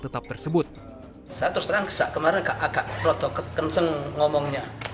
saya terus terang kesak kemarin kakak roto kenseng ngomongnya